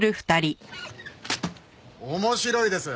面白いです！